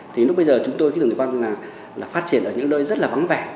thì lúc bây giờ chúng tôi khí tử văn phát triển ở những nơi rất vắng vẻ